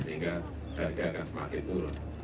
sehingga harga akan semakin turun